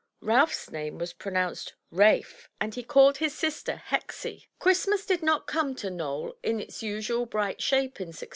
Ralph's name was pronounced "Rafe," and he called his sister "Hexie." 315 MY BOOK HOUSE Christmas did not come to Knowle in its usual bright shape in 1645.